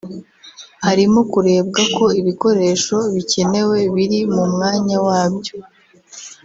harimo kurebwa ko ibikoresho bikenewe biri mu mwanya wabyo